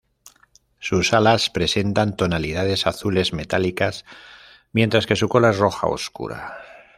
Sus alas presentan tonalidades azules metálicas, mientras que su cola es roja oscura.